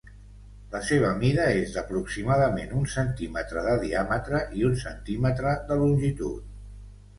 La seva mida és d'aproximadament un centímetre de diàmetre i un centímetre de longitud.